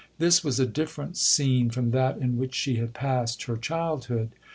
This was a different scene from that in which she had passed her childhood.